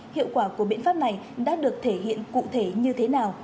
hiệu quả của biện pháp này đã được thể hiện cụ thể như thế nào